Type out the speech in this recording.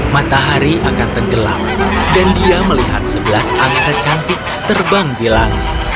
matahari akan tenggelam dan dia melihat sebelas angsa cantik terbang di langit